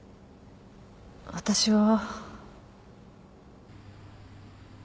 私は。